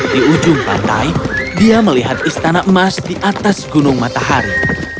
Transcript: di ujung pantai dia melihat istana emas di atas gunung matahari